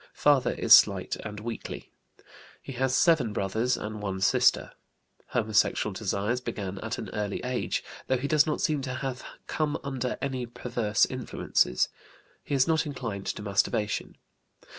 Father is slight and weakly. He has seven brothers and one sister. Homosexual desires began at an early age, though he does not seem to have come under any perverse influences. He is not inclined to masturbation.